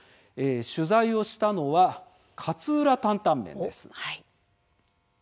取材をしたのは「勝浦タンタンメン」です。